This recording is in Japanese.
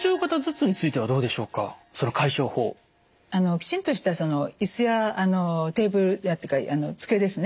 きちんとした椅子やテーブルというか机ですね